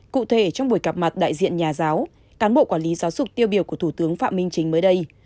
cụ thể trong buổi gặp mặt đại diện nhà giáo cán bộ quản lý giáo dục tiêu biểu của thủ tướng phạm minh chính mới đây